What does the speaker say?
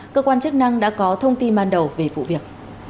cơ quan chức năng đã có thông tin ban đầu về vụ việc